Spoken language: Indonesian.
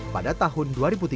pada tahun dua ribu tiga belas